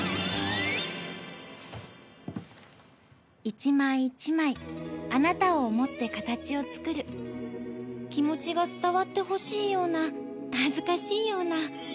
「一枚一枚あなたを想って形をつくる」「気持ちが伝わってほしいような恥ずかしいような」